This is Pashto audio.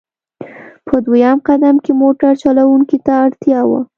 په دویم قدم کې موټر چلوونکو ته اړتیا وه.